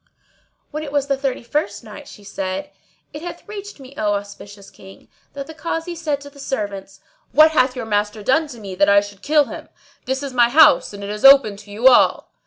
When it was the Thirty first Night, She said, It hath reached me, O auspicious King, that the Kazi said to the servants, "What hath your master done to me that I should kill him? This is my house and it is open to you all."